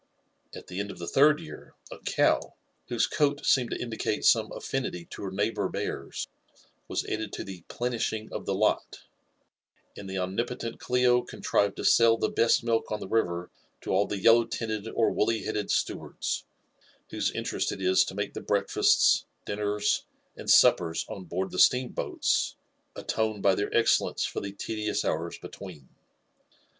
At (be end of the third yea^, a cow, whose coat seeded fo IMIie^(<^ gonke affinity to her neighbour bears, was added to the '* plemsbingof tb^Ibt ;^ and fbe omnipotent €\h contrived to sell the besC nrift on* did rhfisr to tiHbe yellow tinted or Woolly beaded stewards, whose interest it is to make the breakfasts, dinners, and suppers on board the steanr ^ boalli atone by their excellence for the tedious hours between.